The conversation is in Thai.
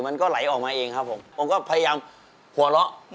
มันก็ไหลออกมาเองครับผมผมก็พยายามหัวเราะ